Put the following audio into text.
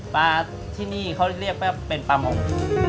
ปลาที่นี่เขาเรียกว่าเป็นปลามง